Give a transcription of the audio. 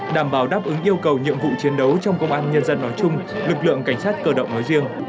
đảm bảo đáp ứng yêu cầu nhiệm vụ chiến đấu trong công an nhân dân nói chung lực lượng cảnh sát cơ động nói riêng